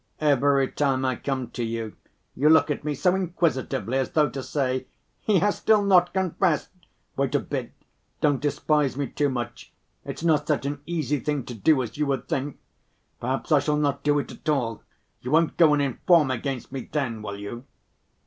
"Every time I come to you, you look at me so inquisitively as though to say, 'He has still not confessed!' Wait a bit, don't despise me too much. It's not such an easy thing to do, as you would think. Perhaps I shall not do it at all. You won't go and inform against me then, will you?"